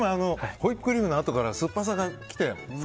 ホイップクリームのあとから酸っぱさが来て。